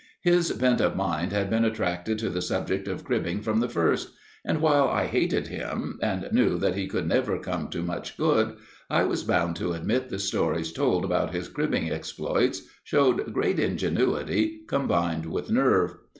His bent of mind had been attracted to the subject of cribbing from the first, and while I hated him, and knew that he could never come to much good, I was bound to admit the stories told about his cribbing exploits showed great ingenuity combined with nerve.